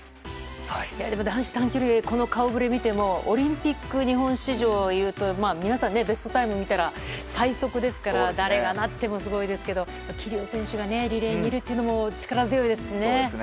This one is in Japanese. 男子短距離の顔ぶれを見てもオリンピック日本史上でいうと皆さん、ベストタイムを見たら最速ですから誰がなってもすごいですけど桐生選手がリレーにいるというのも力強いですしね。